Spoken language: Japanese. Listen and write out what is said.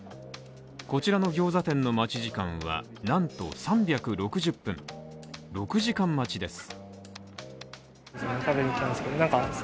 こちらの餃子店の待ち時間はなんと３６０分６時間待ちです。